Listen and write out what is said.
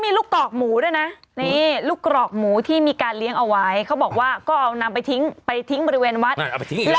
ไม่เป็นไรน่าแนะนำเลยหนูเอาไว้บริเวณวัฒน์